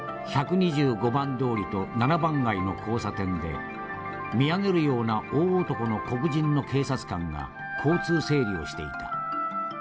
１２５番通りと７番街の交差点で見上げるような大男の黒人の警察官が交通整理をしていた。